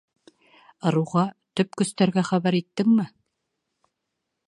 — Ырыуға, төп көстәргә хәбәр иттеңме?